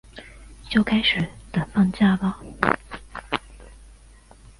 就开始等放假啦